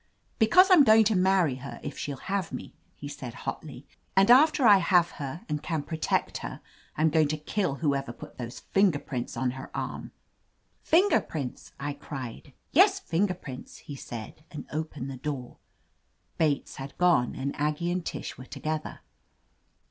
"Because I'm going to many her, if shell have me," he said hotly. "And after I have her, and can protect her, I'm going to kill who ever put those finger prints on her arm." Tinger prints !" I cried. Tes, finger prints," he said, and opened the door. Bates had gone, and Aggie and Tish were together.